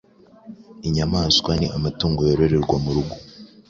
Inyamaswa ni amatungo yororerwa mu rugo.